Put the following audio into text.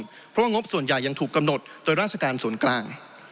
เพราะว่างบส่วนใหญ่ยังถูกกำหนดโดยราชการส่วนกลาง